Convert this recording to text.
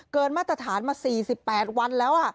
มาตรฐานมา๔๘วันแล้ว